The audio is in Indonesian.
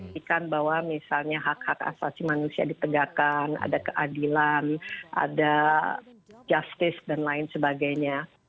pastikan bahwa misalnya hak hak asasi manusia ditegakkan ada keadilan ada justice dan lain sebagainya